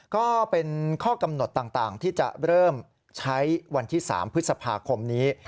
ก็เป็นข้อกำหนดต่างที่จะเริ่มใช้วันที่๓พฤษภาคมนี้